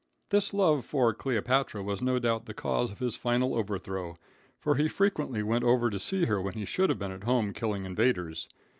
This love for Cleopatra was no doubt the cause of his final overthrow, for he frequently went over to see her when he should have been at home killing invaders.